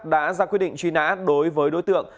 đã ra quyết định truy nã đối với đối tượng